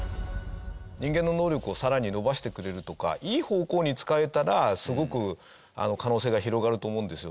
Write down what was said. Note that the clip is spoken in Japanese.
人間の能力をさらに伸ばしてくれるとかいい方向に使えたらすごく可能性が広がると思うんですよ。